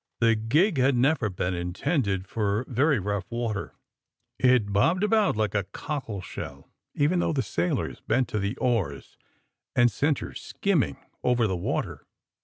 The gig had never been intended for very rough water. It bobbed about like a cockle shell, even though the sailors bent to the oars and sent her skimming over the water.